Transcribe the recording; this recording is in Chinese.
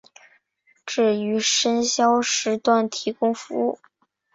只于深宵时段提供服务。